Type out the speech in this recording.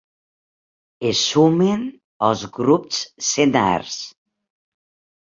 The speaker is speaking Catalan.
Es sumen els grups senars.